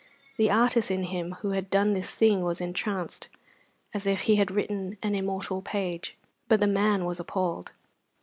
The artist in him who had done this thing was entranced, as if he had written an immortal page. But the man was appalled.